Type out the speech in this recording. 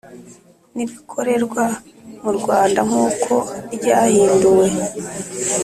N ibikorerwa mu rwanda nk uko ryahinduwe